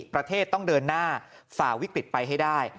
ประเทศต้องเดินหน้าฝ่าวิกฤตไปให้ได้